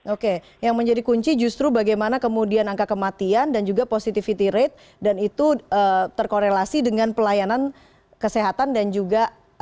oke yang menjadi kunci justru bagaimana kemudian angka kematian dan juga positivity rate dan itu terkorelasi dengan pelayanan kesehatan dan juga